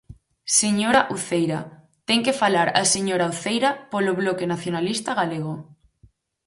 Señora Uceira, ten que falar a señora Uceira polo Bloque Nacionalista Galego.